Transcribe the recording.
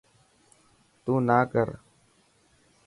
تون نا ڪر.